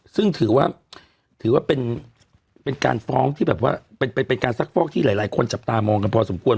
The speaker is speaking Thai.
ซึ่งถือว่าเป็นการฟ้องที่หลายคนจับตามองกันพอสมควร